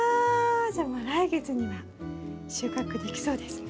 じゃあもう来月には収穫できそうですね。